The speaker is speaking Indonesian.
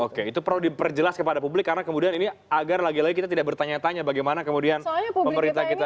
oke itu perlu diperjelas kepada publik karena kemudian ini agar lagi lagi kita tidak bertanya tanya bagaimana kemudian pemerintah kita